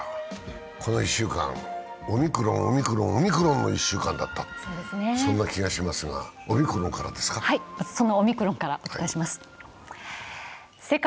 この１週間、オミクロン、オミクロン、オミクロンの１週間だった気がしますがオミクロンからですか。